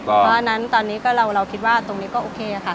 เพราะฉะนั้นตอนนี้เราคิดว่าตรงนี้ก็โอเคค่ะ